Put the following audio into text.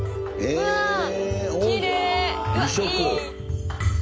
うわっいい！